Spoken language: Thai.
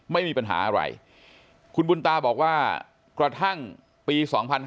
ไม่มีปัญหาอะไรคุณบุญตาบอกว่ากระทั่งปี๒๕๕๙